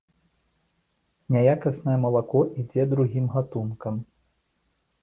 Няякаснае малако ідзе другім гатункам.